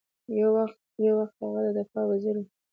یو وخت هغه د دفاع وزیر ؤ